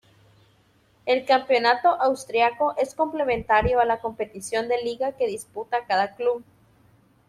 El campeonato austriaco es complementario a la competición de liga que disputa cada club.